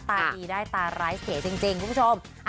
ตาดีได้ตาร้ายเสียจริงคุณผู้ชม